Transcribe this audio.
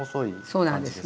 そうなんです